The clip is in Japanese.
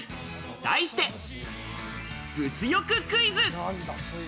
題して物欲クイズ！